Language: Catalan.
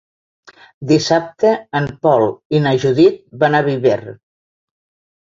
Dissabte en Pol i na Judit van a Viver.